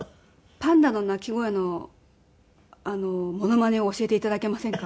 パンダの鳴き声のモノマネを教えて頂けませんか？